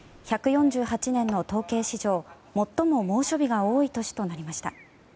１４８年の統計史上最も猛暑日が多い年となりました。